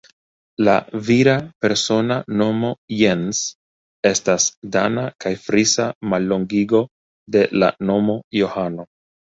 La vira persona nomo Jens estas dana kaj frisa mallongigo de la nomo Johano.